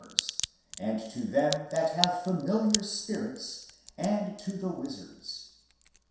"whisperers"), and to them that have familiar spirits, and to the .wizards."